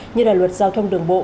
như luật giao thông đường bộ